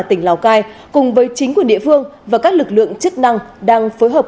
tỉnh lào cai cùng với chính quyền địa phương và các lực lượng chức năng đang phối hợp